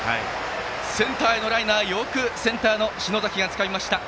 センターへのライナーよくセンターの篠崎がつかみました。